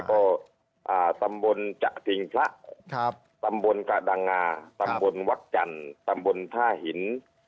ก็ตำบลจักรทิงพระต่ำบลกะดางงาตำบลวักกรรตำบลผ้าหิน